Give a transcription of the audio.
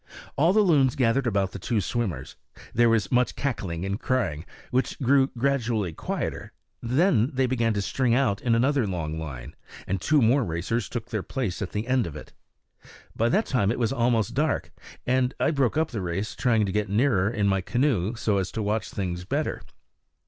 All the loons gathered about the two swimmers; there was much cackling and crying, which grew gradually quieter; then they began to string out in another long line, and two more racers took their places at one end of it. By that time it was almost dark, and I broke up the race trying to get nearer in my canoe so as to watch things better.